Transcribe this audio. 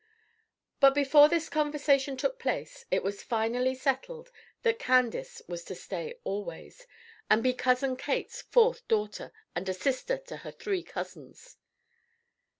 But before this conversation took place it was finally settled that Candace was to stay always, and be Cousin Kate's fourth daughter, and a sister to her three cousins.